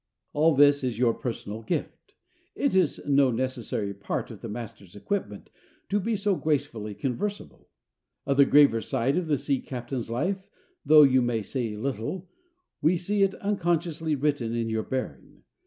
All this is your personal gift: it is no necessary part of the master's equipment to be so gracefully conversable. Of the graver side of the sea captain's life, though you say little, we see it unconsciously written in your bearing.